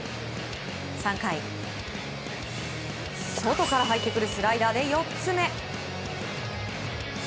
３回、外から入ってくるスライダーで４つ目。